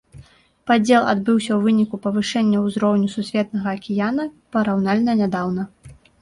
Падзел адбыўся ў выніку павышэння ўзроўню сусветнага акіяна параўнальна нядаўна.